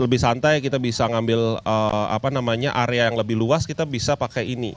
lebih santai kita bisa ngambil area yang lebih luas kita bisa pakai ini